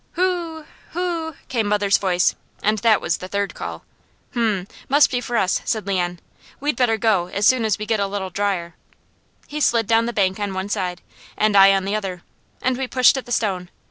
"Hoo hoo!" came mother's voice, and that was the third call. "Hum! Must be for us," said Leon. "We better go as soon as we get a little dryer." He slid down the bank on one side, and I on the other, and we pushed at the stone.